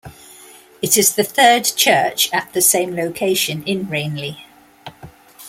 It is the third church at the same location in Reinli.